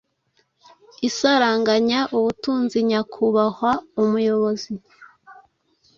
Isaranganya ubutunzi nyakubahwa-umuyobozi